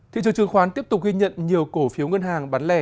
thị trường trường khoán tiếp tục ghi nhận nhiều cổ phiếu ngân hàng bán lè